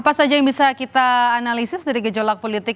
apa saja yang bisa kita analisis dari gejolak politik